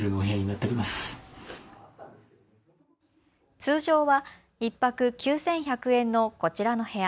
通常は１泊９１００円のこちらの部屋。